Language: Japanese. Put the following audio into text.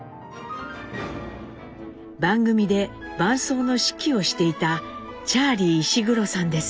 番組で伴奏の指揮をしていたチャーリー石黒さんです。